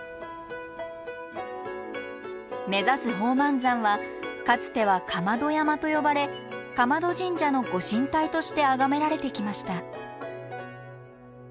目指す宝満山はかつては竈門山と呼ばれ竈門神社のご神体としてあがめられてきました。